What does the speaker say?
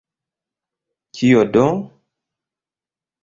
Kio do!